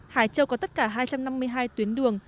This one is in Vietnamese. hải châu có tất cả hai trăm năm mươi hai tuyến đường